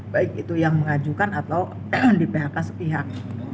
baik itu yang mengajukan atau di phk sepihak